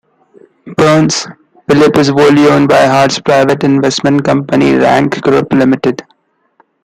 Burns, Philp is wholly owned by Hart's private investment company Rank Group Limited.